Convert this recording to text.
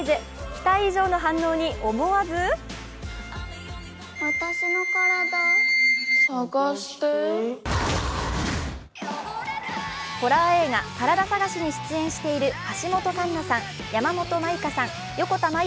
期待以上の反応に思わずホラー映画「カラダ探し」に出演している橋本環奈さん